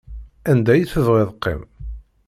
Anda i tebɣiḍ qqim.